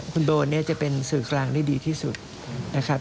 คุณโบเนี่ยจะเป็นสื่อกลางได้ดีที่สุดนะครับ